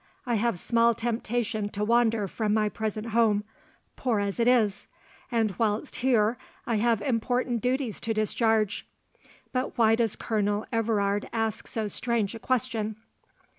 "I have small temptation to wander from my present home, poor as it is; and whilst here, I have important duties to discharge. But why does Colonel Everard ask so strange a question?"